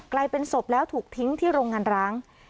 กลายเป็นศพแล้วถูกทิ้งที่โรงงานร้าง